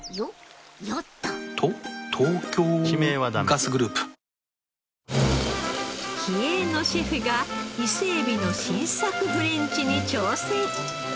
ガスグループ気鋭のシェフが伊勢えびの新作フレンチに挑戦。